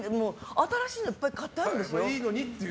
新しいのいっぱい買ってあるんですよ。